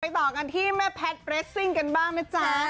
ต่อกันที่แม่แพทย์เรสซิ่งกันบ้างนะจ๊ะ